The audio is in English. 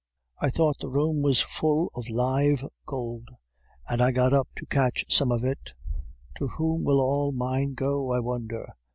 'I thought the room was full of live gold, and I got up to catch some of it. To whom will all mine go, I wonder?